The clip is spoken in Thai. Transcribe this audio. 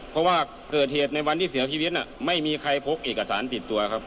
เพราะว่าเกิดเหตุในวันที่เสียชีวิตไม่มีใครพกเอกสารติดตัวครับ